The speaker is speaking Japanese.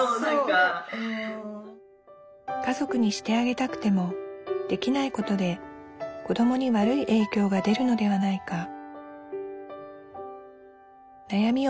家族にしてあげたくてもできないことで子どもに悪い影響が出るのではないか。